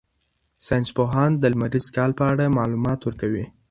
ساینس پوهان د لمریز کال په اړه معلومات ورکوي.